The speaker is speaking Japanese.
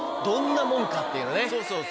どんなもんかっていうのをね。